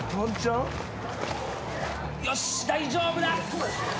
よし大丈夫だ。